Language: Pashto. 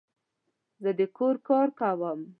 زه د کور کار کوم